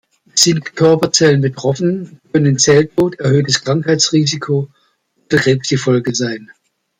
Sind Körperzellen betroffen, können Zelltod, erhöhtes Krankheitsrisiko oder Krebs die Folge sein.